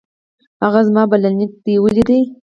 هغه زما بلنليک دې ولېد؟